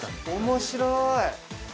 面白い！